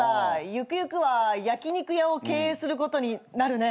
ゆくゆくは焼き肉屋を経営することになるね。